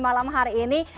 malam hari ini